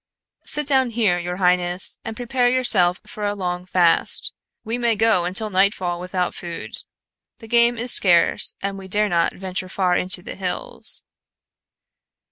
"Sit down here, your highness, and prepare yourself for a long fast. We may go until nightfall without food. The game is scarce and we dare not venture far into the hills."